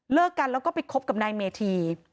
กันแล้วก็ไปคบกับนายเมธี